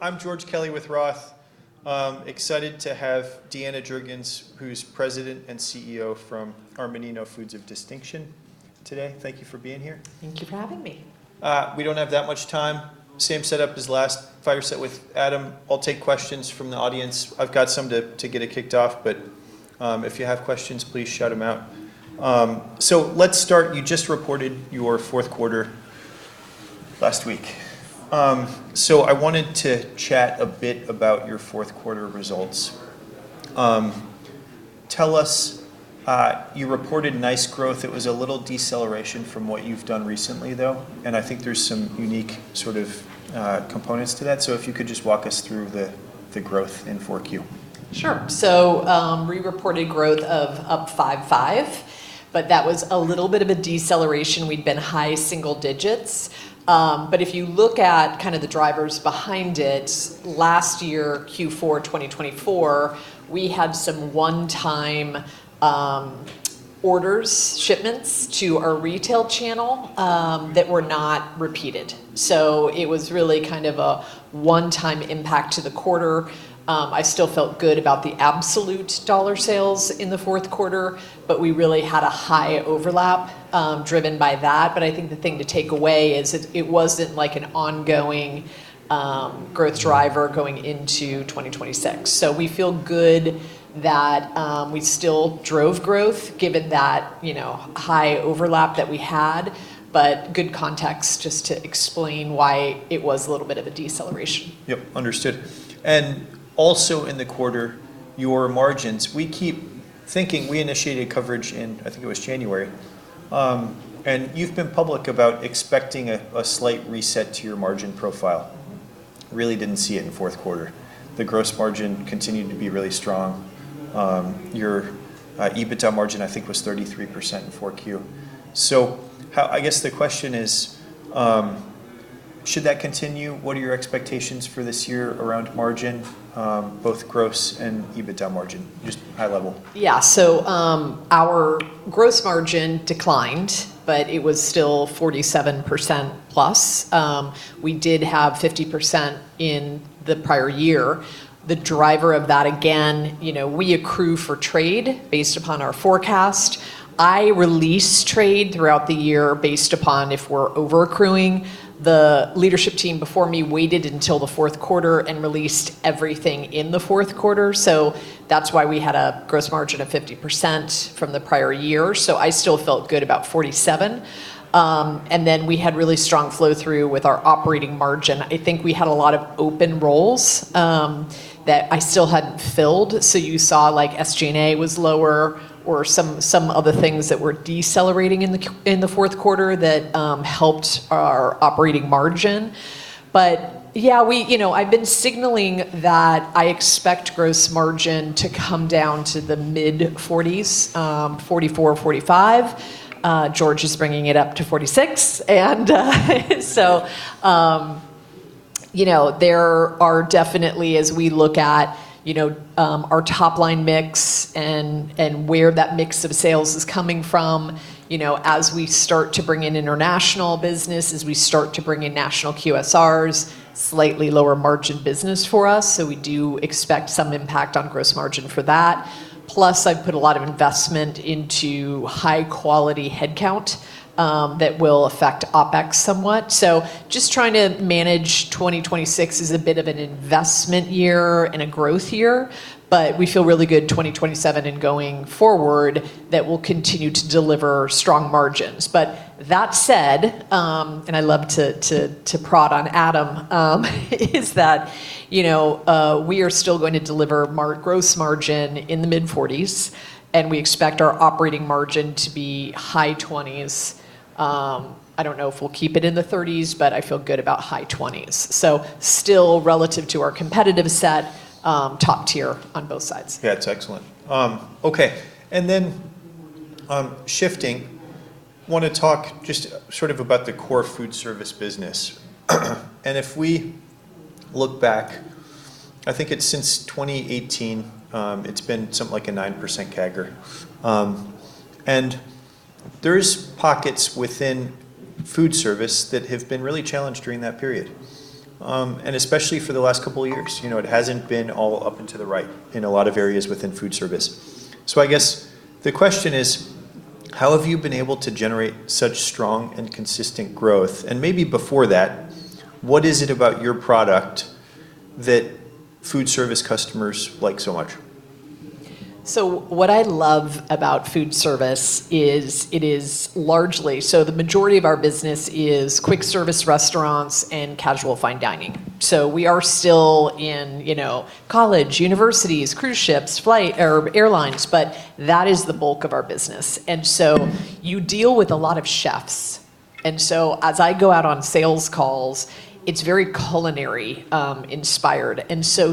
I'm George Kelly with Roth. I'm excited to have Deanna Jurgens, who's President and CEO from Armanino Foods of Distinction today. Thank you for being here. Thank you for having me. We don't have that much time. Same setup as the last fireside chat with Adam. I'll take questions from the audience. I've got some to get it kicked off, but if you have questions, please shout them out. Let's start. You just reported your fourth quarter last week, I wanted to chat a bit about your fourth quarter results. Tell us, you reported nice growth. It was a little deceleration from what you've done recently, though, and I think there's some unique sort of components to that. If you could just walk us through the growth in 4Q. Sure. We reported growth of up 5.5, that was a little bit of a deceleration. We'd been high single digits. If you look at kind of the drivers behind it, last year, Q4 2024, we had some one-time orders, shipments to our retail channel that were not repeated. It was really kind of a one-time impact to the quarter. I still felt good about the absolute dollar sales in the fourth quarter, we really had a high overlap driven by that. I think the thing to take away is it wasn't an ongoing growth driver going into 2026. We feel good that we still drove growth given that high overlap that we had. Good context just to explain why it was a little bit of a deceleration. Yep, understood. Also in the quarter, your margins, we keep thinking, we initiated coverage in, I think it was January, and you've been public about expecting a slight reset to your margin profile. Really didn't see it in the fourth quarter. The gross margin continued to be really strong. Your EBITDA margin, I think, was 33% in 4Q. I guess the question is, should that continue? What are your expectations for this year around margin, both gross and EBITDA margin? Just high level. Yeah. Our gross margin declined, but it was still 47% plus. We did have 50% in the prior year. The driver of that, again, we accrue for trade based upon our forecast. I release trade throughout the year based upon if we're over-accruing. The leadership team before me waited until the fourth quarter and released everything in the fourth quarter. That's why we had a gross margin of 50% from the prior year. I still felt good about 47%. Then we had really strong flow-through with our operating margin. I think we had a lot of open roles that I still hadn't filled. You saw SG&A was lower, or some of the things that were decelerating in the fourth quarter that helped our operating margin. Yeah, I've been signaling that I expect gross margin to come down to the mid-40s, 44% or 45%. George is bringing it up to 46%. There are definitely, as we look at our top-line mix and where that mix of sales is coming from, as we start to bring in international business, as we start to bring in national QSRs, slightly lower margin business for us. We do expect some impact on gross margin for that. Plus, I've put a lot of investment into high-quality headcount that will affect OpEx somewhat. Just trying to manage 2026 as a bit of an investment year and a growth year, we feel really good 2027 and going forward that we'll continue to deliver strong margins. That said, and I love to prod on Adam, is that we are still going to deliver gross margin in the mid-40s, and we expect our operating margin to be high 20s. I don't know if we'll keep it in the 30s, I feel good about high 20s. Still relative to our competitive set, top tier on both sides. Yeah, it's excellent. Okay. Shifting, I want to talk just sort of about the core food service business. If we look back, I think it's since 2018, it's been something like a 9% CAGR. There's pockets within food service that have been really challenged during that period, especially for the last couple of years. It hasn't been all up and to the right in a lot of areas within food service. I guess the question is, how have you been able to generate such strong and consistent growth? Maybe before that, what is it about your product that food service customers like so much? What I love about food service is it is largely, the majority of our business is quick service restaurants and casual fine dining. We are still in college, universities, cruise ships, airlines, but that is the bulk of our business. You deal with a lot of chefs. As I go out on sales calls, it's very culinary inspired.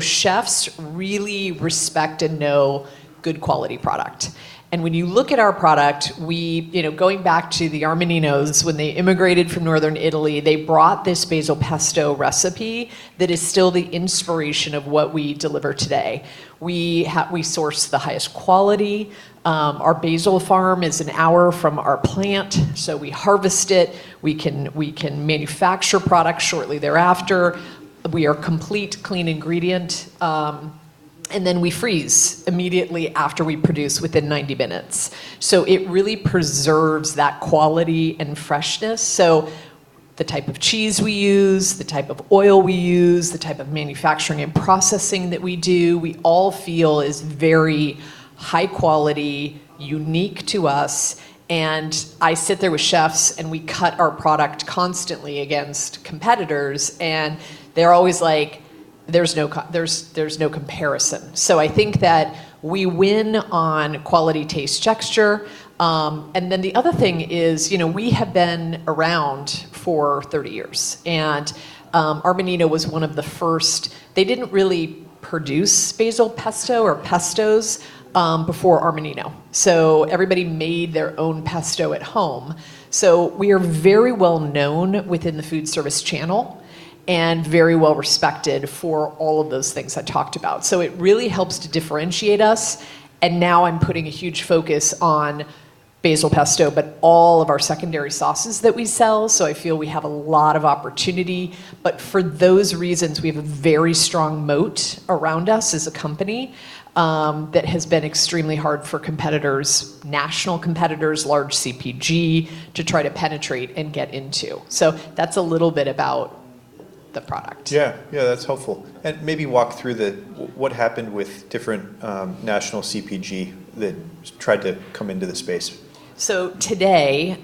Chefs really respect and know good quality product. When you look at our product, going back to the Armaninos, when they immigrated from Northern Italy, they brought this Basil Pesto recipe that is still the inspiration of what we deliver today. We source the highest quality. Our basil farm is an hour from our plant, so we harvest it. We can manufacture product shortly thereafter. We are complete clean ingredient. Then we freeze immediately after we produce, within 90 minutes. It really preserves that quality and freshness. The type of cheese we use, the type of oil we use, the type of manufacturing and processing that we do, we all feel is very high quality, unique to us. I sit there with chefs, we cut our product constantly against competitors, and they're always like, "There's no comparison." I think that we win on quality, taste, texture. The other thing is, we have been around for 30 years. Armanino was one of the first. They didn't really produce Basil Pesto or pestos before Armanino. Everybody made their own pesto at home. We are very well known within the food service channel and very well respected for all of those things I talked about. It really helps to differentiate us, and now I'm putting a huge focus on Basil Pesto, but all of our secondary sauces that we sell. I feel we have a lot of opportunity. For those reasons, we have a very strong moat around us as a company that has been extremely hard for competitors, national competitors, large CPG, to try to penetrate and get into. That's a little bit about the product. Yeah. That's helpful. Maybe walk through what happened with different national CPG that tried to come into the space. Today,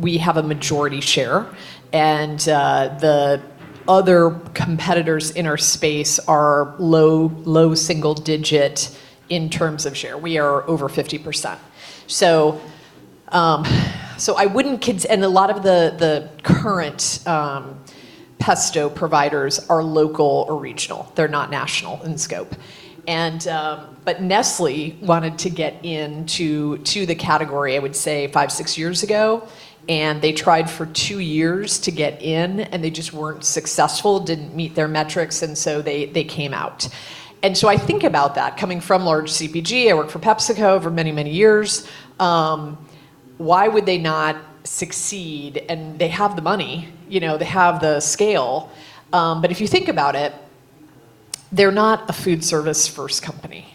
we have a majority share, and the other competitors in our space are low single digit in terms of share. We are over 50%. A lot of the current pesto providers are local or regional. They're not national in scope. Nestlé wanted to get into the category, I would say five, six years ago, they tried for two years to get in, they just weren't successful, didn't meet their metrics, and so they came out. I think about that. Coming from large CPG, I worked for PepsiCo for many, many years. Why would they not succeed? They have the money. They have the scale. If you think about it, they're not a food service first company.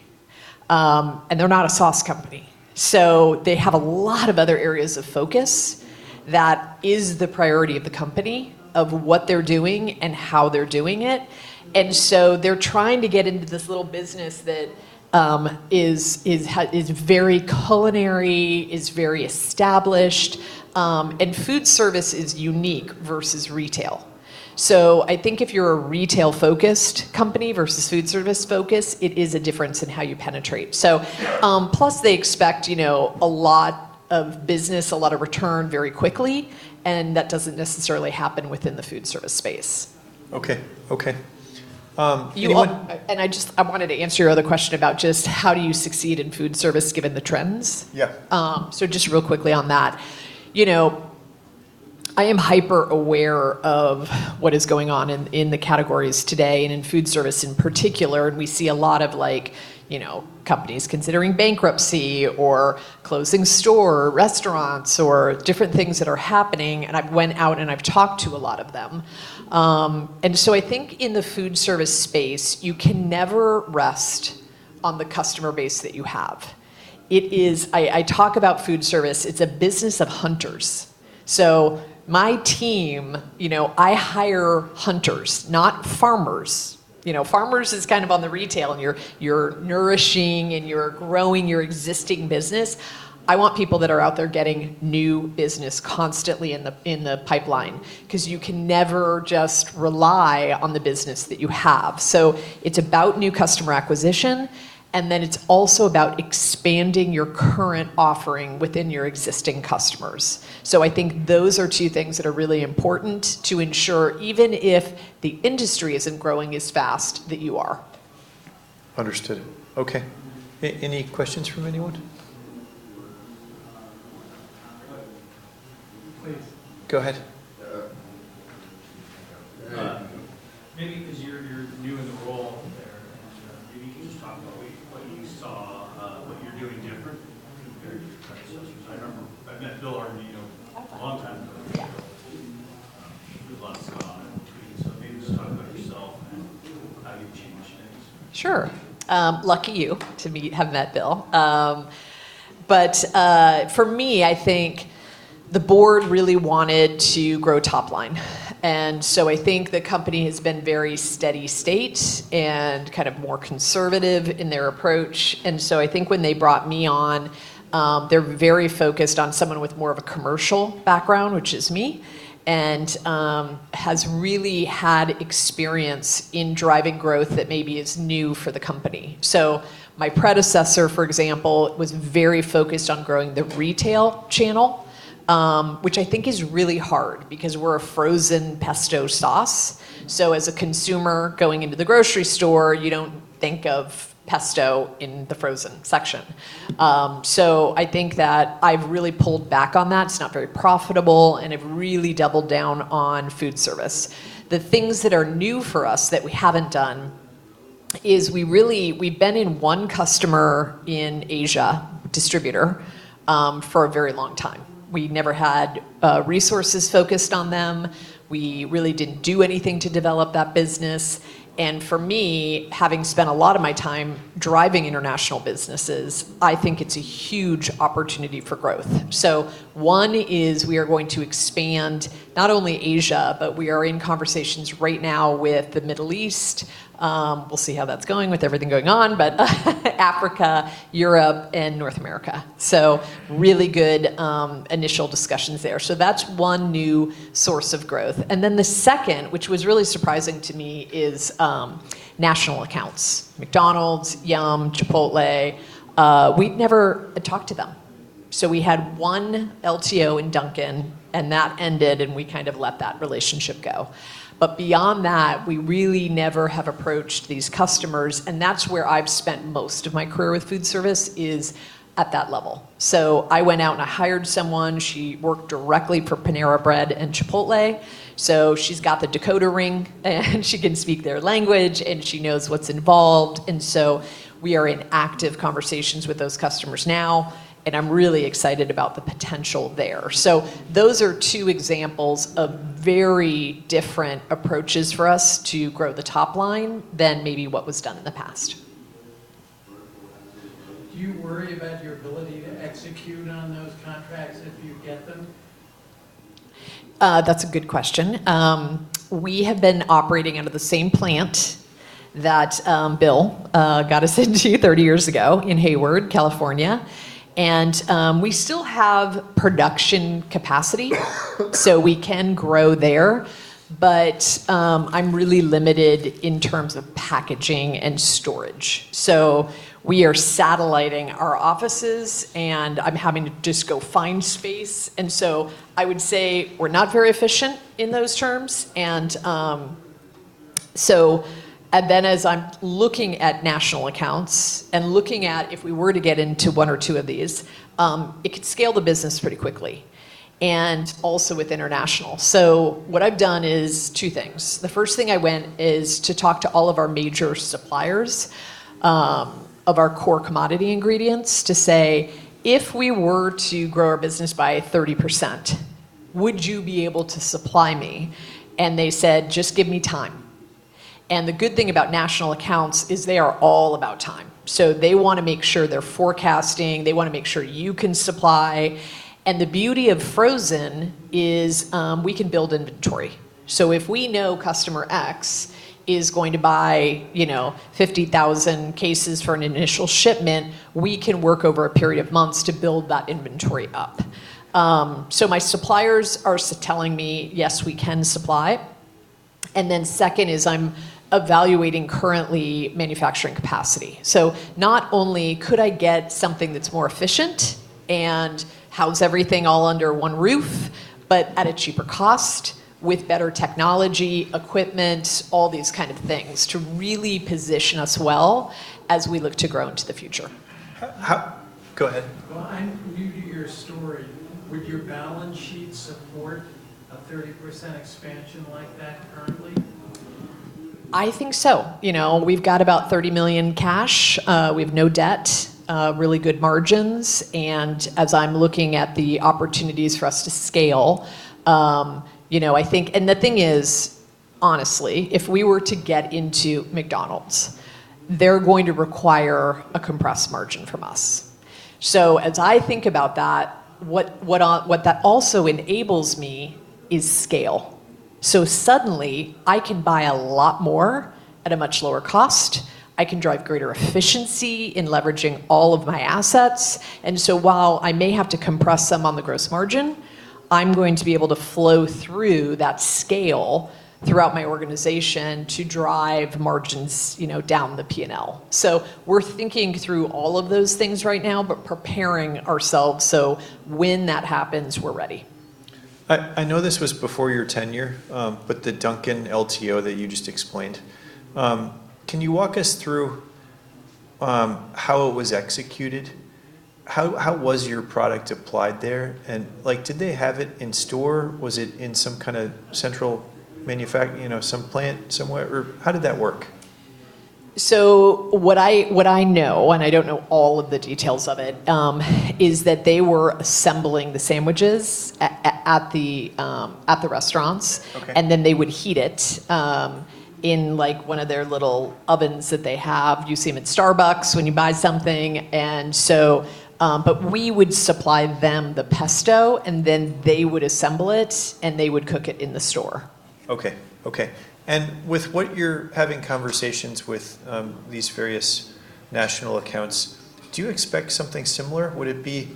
They're not a sauce company. They have a lot of other areas of focus that is the priority of the company, of what they're doing and how they're doing it. They're trying to get into this little business that is very culinary, is very established, food service is unique versus retail. I think if you're a retail-focused company versus food service focused, it is a difference in how you penetrate. Plus they expect a lot of business, a lot of return very quickly, and that doesn't necessarily happen within the food service space. Okay. Anyone- I wanted to answer your other question about just how do you succeed in food service given the trends. Yeah. Just real quickly on that. I am hyper-aware of what is going on in the categories today and in food service in particular, and we see a lot of companies considering bankruptcy or closing store or restaurants or different things that are happening, and I've went out, and I've talked to a lot of them. I think in the food service space, you can never rest on the customer base that you have. I talk about food service, it's a business of hunters. My team, I hire hunters, not farmers. Farmers is kind of on the retail, and you're nourishing, and you're growing your existing business. I want people that are out there getting new business constantly in the pipeline because you can never just rely on the business that you have. It's about new customer acquisition, and then it's also about expanding your current offering within your existing customers. I think those are two things that are really important to ensure even if the industry isn't growing as fast, that you are. Understood. Okay. Any questions from anyone? Please. Go ahead. Maybe because you're new in the role there, maybe you can just talk about what you saw, what you're doing different compared to your predecessors. I remember I met Bill Armanino a long time ago. Yeah. Did a lot of stuff between. Maybe just talk about yourself and how you've changed things. Sure. Lucky you to have met Bill. For me, I think the board really wanted to grow top line. I think the company has been very steady state and kind of more conservative in their approach. I think when they brought me on, they're very focused on someone with more of a commercial background, which is me, and has really had experience in driving growth that maybe is new for the company. My predecessor, for example, was very focused on growing the retail channel, which I think is really hard because we're a frozen pesto sauce. As a consumer going into the grocery store, you don't think of pesto in the frozen section. I think that I've really pulled back on that. It's not very profitable, and I've really doubled down on food service. The things that are new for us that we haven't done is we've been in one customer in Asia, distributor, for a very long time. We never had resources focused on them. We really didn't do anything to develop that business. For me, having spent a lot of my time driving international businesses, I think it's a huge opportunity for growth. One is we are going to expand not only Asia, but we are in conversations right now with the Middle East. We'll see how that's going with everything going on, but Africa, Europe, and North America. Really good initial discussions there. That's one new source of growth. The second, which was really surprising to me, is national accounts, McDonald's, Yum, Chipotle. We'd never talked to them. We had one LTO in Dunkin', and that ended, and we kind of let that relationship go. Beyond that, we really never have approached these customers, and that's where I've spent most of my career with food service is at that level. I went out and I hired someone. She worked directly for Panera Bread and Chipotle, so she's got the decoder ring, and she can speak their language, and she knows what's involved. We are in active conversations with those customers now, and I'm really excited about the potential there. Those are two examples of very different approaches for us to grow the top line than maybe what was done in the past. Do you worry about your ability to execute on those contracts if you get them? That's a good question. We have been operating out of the same plant that Bill got us into 30 years ago in Hayward, California. We still have production capacity, we can grow there. I'm really limited in terms of packaging and storage. We are satelliting our offices, and I'm having to just go find space. I would say we're not very efficient in those terms. As I'm looking at national accounts and looking at if we were to get into one or two of these, it could scale the business pretty quickly, and also with international. What I've done is two things. The first thing I went is to talk to all of our major suppliers of our core commodity ingredients to say, "If we were to grow our business by 30%, would you be able to supply me?" They said, "Just give me time." The good thing about national accounts is they are all about time. They want to make sure they're forecasting. They want to make sure you can supply. The beauty of frozen is we can build inventory. If we know customer X is going to buy 50,000 cases for an initial shipment, we can work over a period of months to build that inventory up. My suppliers are telling me, "Yes, we can supply." Then second is I'm evaluating currently manufacturing capacity. Not only could I get something that's more efficient and house everything all under one roof, but at a cheaper cost with better technology, equipment, all these kind of things to really position us well as we look to grow into the future. Go ahead. Well, I'm new to your story. Would your balance sheet support a 30% expansion like that currently? I think so. We've got about $30 million cash. We have no debt, really good margins. As I'm looking at the opportunities for us to scale, the thing is, honestly, if we were to get into McDonald's, they're going to require a compressed margin from us. As I think about that, what that also enables me is scale. Suddenly, I can buy a lot more at a much lower cost. I can drive greater efficiency in leveraging all of my assets. While I may have to compress some on the gross margin, I'm going to be able to flow through that scale throughout my organization to drive margins down the P&L. We're thinking through all of those things right now, but preparing ourselves so when that happens, we're ready. I know this was before your tenure, the Dunkin' LTO that you just explained, can you walk us through how it was executed? How was your product applied there? Did they have it in store? Was it in some kind of central manufacturing, some plant somewhere? How did that work? What I know, and I don't know all of the details of it, is that they were assembling the sandwiches at the restaurants. Okay. They would heat it in one of their little ovens that they have. You see them at Starbucks when you buy something. We would supply them the pesto, and then they would assemble it, and they would cook it in the store. Okay. With what you're having conversations with these various national accounts, do you expect something similar? Would it be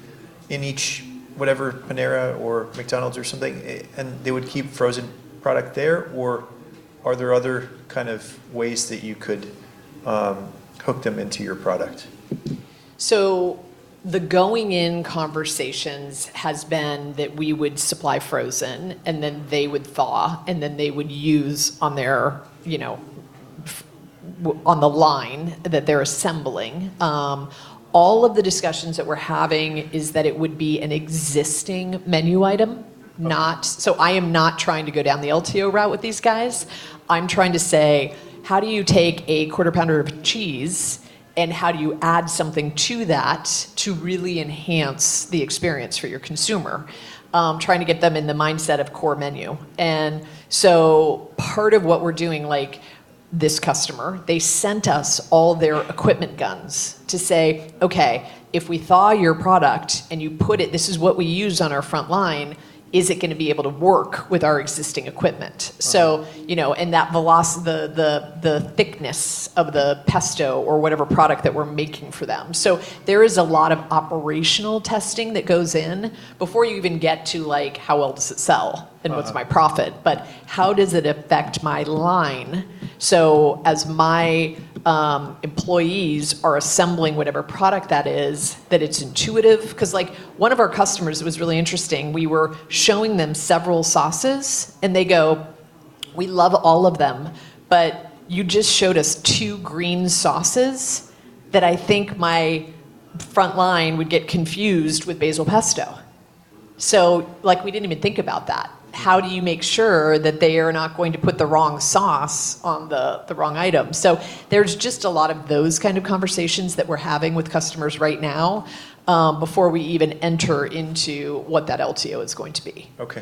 in each, whatever, Panera or McDonald's or something, and they would keep frozen product there? Are there other kind of ways that you could hook them into your product? The going-in conversations has been that we would supply frozen, and then they would thaw, and then they would use on the line that they're assembling. All of the discussions that we're having is that it would be an existing menu item I am not trying to go down the LTO route with these guys. I'm trying to say, "How do you take a Quarter Pounder with Cheese, and how do you add something to that to really enhance the experience for your consumer?" Trying to get them in the mindset of core menu. Part of what we're doing, like this customer, they sent us all their equipment guns to say, "Okay, if we thaw your product and you put it, this is what we use on our front line, is it going to be able to work with our existing equipment? Right. The thickness of the pesto or whatever product that we're making for them. There is a lot of operational testing that goes in before you even get to, how well does it sell- What's my profit? How does it affect my line so as my employees are assembling whatever product that is, that it's intuitive. Because one of our customers was really interesting. We were showing them several sauces, and they go, "We love all of them, but you just showed us two green sauces that I think my front line would get confused with Basil Pesto." We didn't even think about that. How do you make sure that they are not going to put the wrong sauce on the wrong item? There's just a lot of those kind of conversations that we're having with customers right now, before we even enter into what that LTO is going to be. Okay.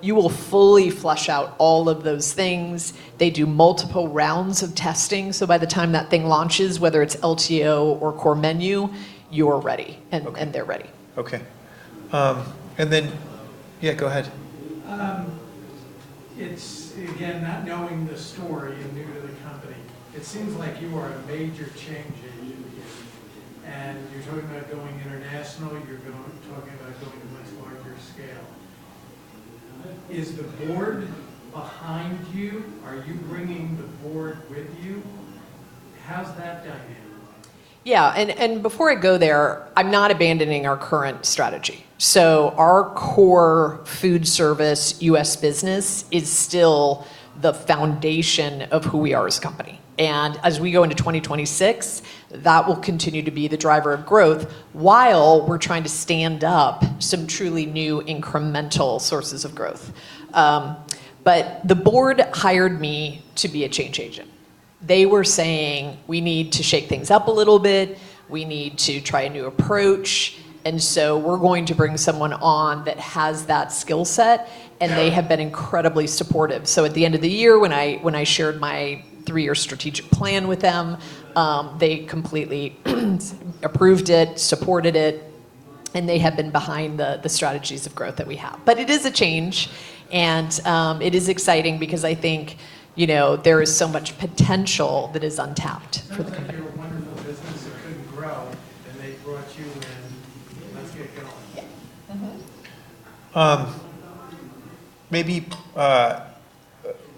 You will fully flesh out all of those things. They do multiple rounds of testing, by the time that thing launches, whether it's LTO or core menu, you're ready. Okay. They're ready. Okay. Hello Yeah, go ahead. It's, again, not knowing the story and new to the company, it seems like you are a major change agent. You're talking about going international, you're talking about going much larger scale. Is the board behind you? Are you bringing the board with you? How's that dynamic? Yeah. Before I go there, I'm not abandoning our current strategy. Our core food service U.S. business is still the foundation of who we are as a company. As we go into 2026, that will continue to be the driver of growth while we're trying to stand up some truly new incremental sources of growth. The board hired me to be a change agent. They were saying, "We need to shake things up a little bit. We need to try a new approach. We're going to bring someone on that has that skill set." They have been incredibly supportive. At the end of the year when I shared my three-year strategic plan with them, they completely approved it, supported it, and they have been behind the strategies of growth that we have. It is a change, and it is exciting because I think there is so much potential that is untapped. It's not like you're a wonderful business that couldn't grow, and they brought you in. Let's get going. Yeah. Mm-hmm. Maybe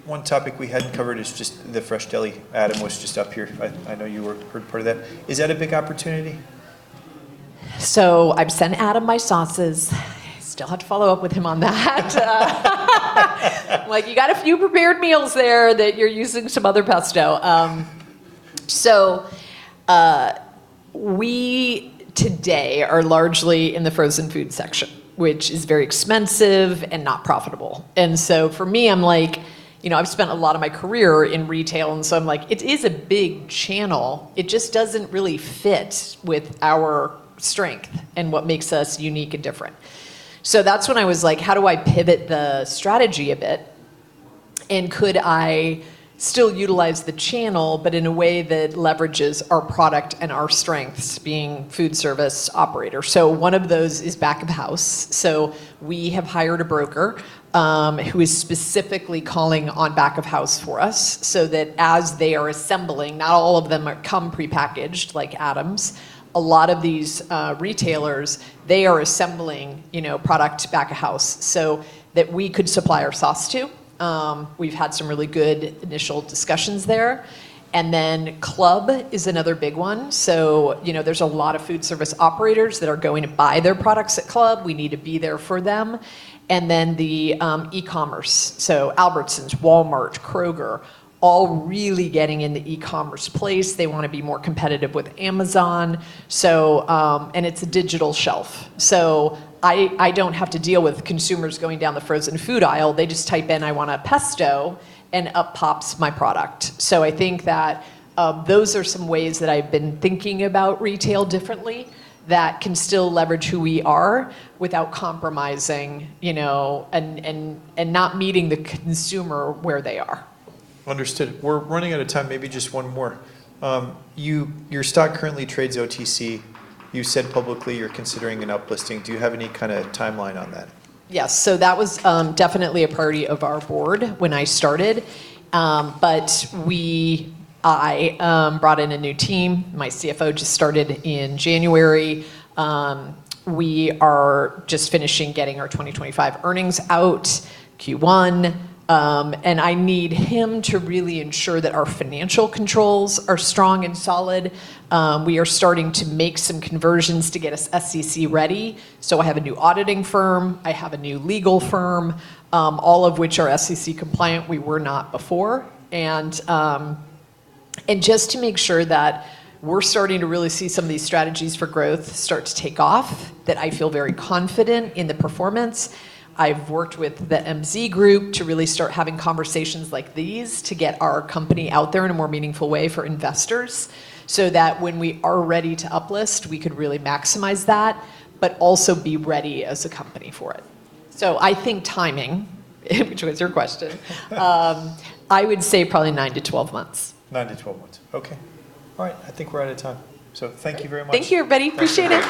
one topic we hadn't covered is just the fresh deli. Adam was just up here. I know you were part of that. Is that a big opportunity? I've sent Adam my sauces. Still have to follow up with him on that. You got a few prepared meals there that you're using some other pesto. We today are largely in the frozen food section, which is very expensive and not profitable. For me, I've spent a lot of my career in retail, and so I'm like, it is a big channel. It just doesn't really fit with our strength and what makes us unique and different. That's when I was like, how do I pivot the strategy a bit? Could I still utilize the channel, but in a way that leverages our product and our strengths being food service operator? One of those is back of house. We have hired a broker who is specifically calling on back of house for us so that as they are assembling, not all of them come prepackaged like Adam's. A lot of these retailers, they are assembling product back of house, so that we could supply our sauce too. We've had some really good initial discussions there. Club is another big one, so there's a lot of food service operators that are going to buy their products at club. We need to be there for them. The e-commerce, so Albertsons, Walmart, Kroger, all really getting in the e-commerce place. They want to be more competitive with Amazon. It's a digital shelf. I don't have to deal with consumers going down the frozen food aisle. They just type in, "I want a pesto," and up pops my product. I think that those are some ways that I've been thinking about retail differently that can still leverage who we are without compromising, and not meeting the consumer where they are. Understood. We're running out of time. Maybe just one more. Your stock currently trades OTC. You said publicly you're considering an up-listing. Do you have any kind of timeline on that? Yes. That was definitely a priority of our board when I started. I brought in a new team. My CFO just started in January. We are just finishing getting our 2025 earnings out, Q1. I need him to really ensure that our financial controls are strong and solid. We are starting to make some conversions to get us SEC ready, so I have a new auditing firm, I have a new legal firm, all of which are SEC compliant. We were not before. Just to make sure that we're starting to really see some of these strategies for growth start to take off, that I feel very confident in the performance. I've worked with the MZ Group to really start having conversations like these to get our company out there in a more meaningful way for investors, so that when we are ready to up-list, we could really maximize that, but also be ready as a company for it. I think timing, which was your question, I would say probably 9-12 months. 9 to 12 months. Okay. All right. I think we're out of time. Thank you very much. Thank you, everybody. Appreciate it.